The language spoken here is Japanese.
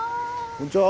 ・こんにちは。